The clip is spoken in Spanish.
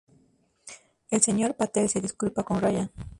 El Sr. Patel se disculpa con Ryan.